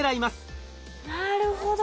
なるほど！